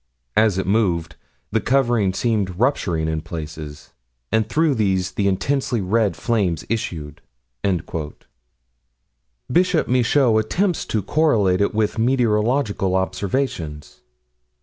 As it moved, the covering seemed rupturing in places, and through these the intensely red flames issued." Bishop Michaud attempts to correlate it with meteorological observations.